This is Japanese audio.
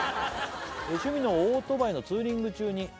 「趣味のオートバイのツーリング中に」